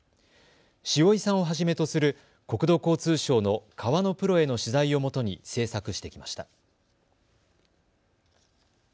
塩井さんをはじめとする国土交通省の川のプロへの取材をもとに制作してきました。